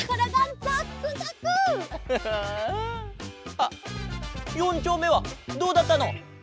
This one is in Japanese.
あっ４ちょうめはどうだったの？